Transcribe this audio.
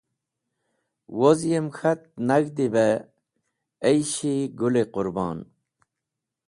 Woz yem k̃hat reg̃hdi beh aysh-e Gũl-e Qũrbon.